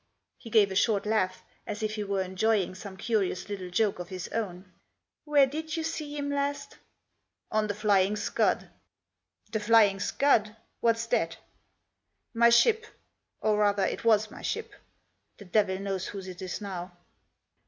He gave a short laugh, as if he were enjoying some curious little joke of his own. " Where did you see him last ?"" On the Flying Scud? " The Flying Scud ? What's that ?"" My ship. Or, rather, it was my ship. The devil knows whose it is now."